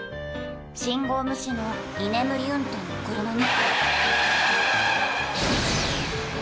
信号無視の居眠り運転の車に。